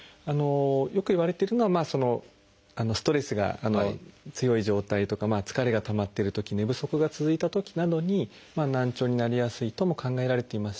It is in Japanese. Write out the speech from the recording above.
よくいわれているのはストレスが強い状態とか疲れがたまってるとき寝不足が続いたときなどに難聴になりやすいとも考えられていますし